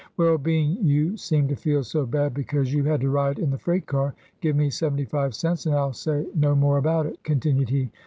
"Well, being you seem to feel so bad because you had to ride in the freight car, give me seventy five cents, and I '11 say no more about it," continued he.